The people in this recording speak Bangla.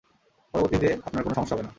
পরবর্তীতে আপনার কোনো সমস্যা হবে না।